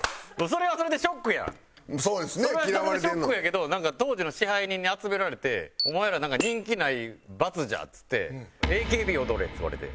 それはそれでショックやけど当時の支配人に集められて「お前ら人気ない罰じゃ」っつって「ＡＫＢ踊れ」って言われて。